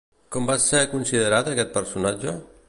Com va ser considerat aquest personatge?